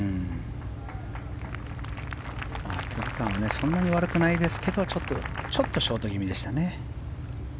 そんなに悪くないですがちょっとショート気味でした。